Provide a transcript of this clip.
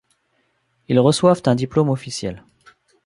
Ils reçoivent un diplôme officiel.